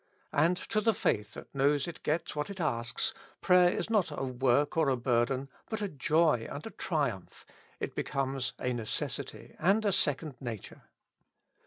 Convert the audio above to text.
And to the faith that knows it gets what it asks, prayer is not a work or a burden, but a joy and a triumph ; it becomes a necessity and a second nature.